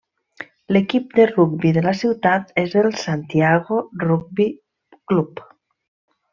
L'equip de rugbi de la ciutat és el Santiago Rugby Club.